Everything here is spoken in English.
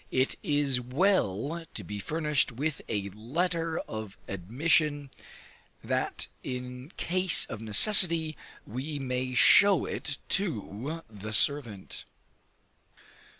It is well to be furnished with a letter of admission, that in case of necessity we may show it to the servant.